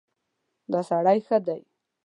دا سړی ښه دی.